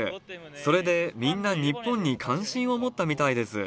それでみんな日本に関心を持ったみたいです。